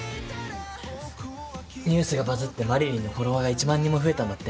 ニュースがバズってマリリンのフォロワーが１万人も増えたんだって。